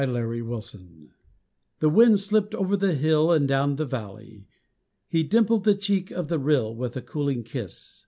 AUGUST GUESTS The wind slipt over the hill And down the valley. He dimpled the cheek of the rill With a cooling kiss.